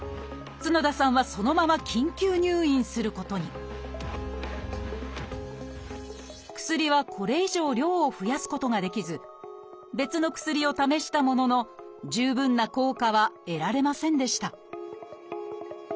角田さんはそのまま緊急入院することに薬はこれ以上量を増やすことができず別の薬を試したものの十分な効果は得られませんでした